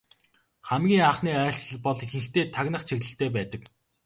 Хамгийн анхны айлчлал бол ихэнхдээ тагнах чиглэлтэй байдаг.